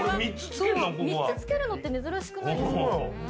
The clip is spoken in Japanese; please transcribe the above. ３つつけるのって珍しくないですか？